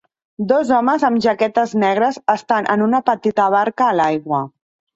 Dos homes amb jaquetes negres estan en una petita barca a l'aigua.